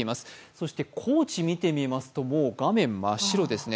そして高知を見てみますと、もう画面、真っ白ですね。